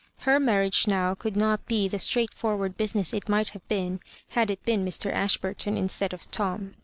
Her mar riage now CQuld not be the stmigl^tfbrward business it might have been had it been Mr. Ashburton instead of Tom.